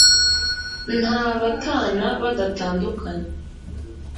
Nta batana badatandukanye.